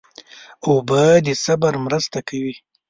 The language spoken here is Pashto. اوبه د صبر مرسته کوي.